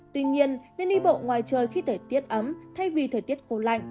tuy nhiên nên đi bộ ngoài trời khi thời tiết ấm thay vì thời tiết khô lạnh